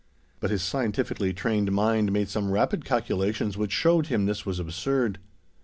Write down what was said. But his scientifically trained mind made some rapid calculations which showed him this was absurd.